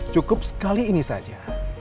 cukup sekali ini saja